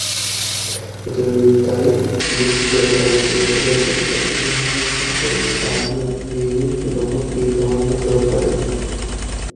প্রতিযোগিতায় East Delta বিশ্ববিদ্যালয়ের শিক্ষার্থীদের মোবাইল কন্ট্রোল সার্ভেয়িং রোবটটি সবার নজর কাড়ে।